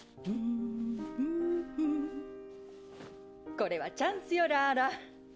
これはチャンスよラーラ。へ？